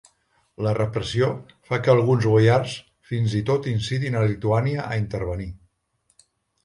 La repressió fa que alguns boiars fins i tot incitin a Lituània a intervenir.